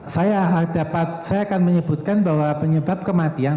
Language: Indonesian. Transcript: saya akan menyebutkan bahwa penyebab kematian